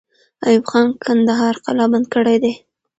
ایوب خان کندهار قلابند کړی دی.